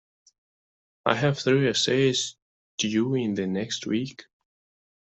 I have three essays due in the next week.